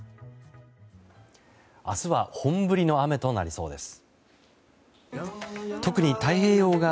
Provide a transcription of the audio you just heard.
明日は本降りの雨となりそうです。